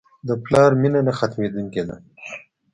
د پلار مینه نه ختمېدونکې ده.